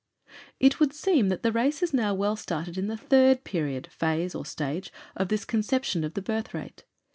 It would seem that the race is now well started in the third period, phase, or stage of this conception of the birth rate.